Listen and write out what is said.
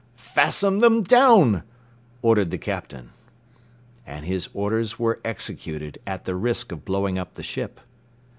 "Fasten them down," ordered the Captain. And his orders were executed at the risk of blowing up the ship.